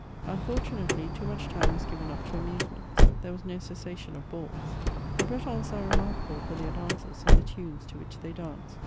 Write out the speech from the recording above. Unfortunately, too much, time was given up to amusements; there was no cessation of balls. The Bretons are remarkable for their dances and the tunes to which they dance.